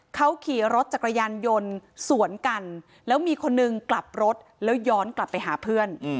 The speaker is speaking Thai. เขาขี่รถจักรยานยนต์สวนกันแล้วมีคนนึงกลับรถแล้วย้อนกลับไปหาเพื่อน